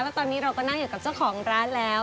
แล้วตอนนี้เราก็นั่งอยู่กับเจ้าของร้านแล้ว